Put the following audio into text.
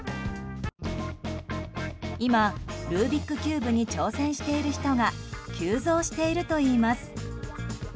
今、ルービックキューブに挑戦している人が急増しているといいます。